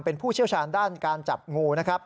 เป็นผู้เชี่ยวชาญด้านการจับงูนะครับ